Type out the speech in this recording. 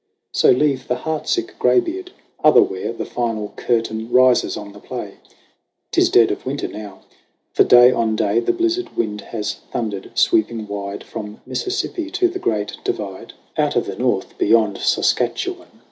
So leave the heartsick graybeard. Otherwhere The final curtain rises on the play. J Tis dead of Winter now. For day on day The blizzard wind has thundered, sweeping wide From Mississippi to the Great Divide JAMIE 117 Out of the North beyond Saskatchewan.